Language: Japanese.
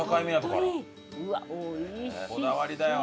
こだわりだよ。